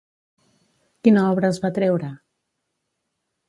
Quina obra es va treure?